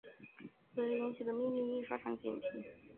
此事引起了秘密印刷厂警惕。